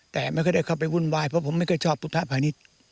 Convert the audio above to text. แต่ไม่ค่อยได้เข้าไปวุ่นวายเพราะผมไม่เคยชอบพุทธพาณิชย์